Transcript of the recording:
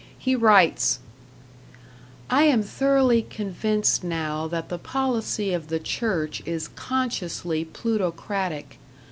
He writes: I am thoroughly convinced now that the policy of the Church is consciously plutocratic.